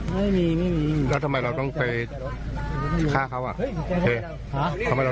ไม่มีไม่มีแล้วทำไมเราต้องไปฆ่าเขาอ่ะเฮ้ยทำไมเรา